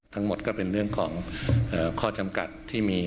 ทั้งหมดก็เป็นเรื่องของข้อจำกัดที่มี